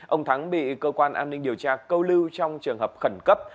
ông thắng bị cơ quan an ninh điều tra câu lưu trong trường hợp khẩn cấp